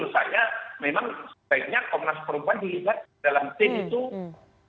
khusus saya memang sebetulnya komnas perempuan dilibat dalam tim itu